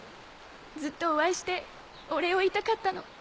ずっとお会いしてお礼を言いたかったの。